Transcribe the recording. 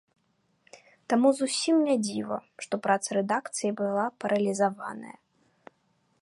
Таму зусім не дзіва, што праца рэдакцыі была паралізаваная.